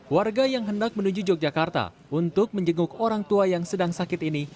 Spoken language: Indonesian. warga yang hendak menuju yogyakarta untuk menjenguk orang tua yang sedang sakit ini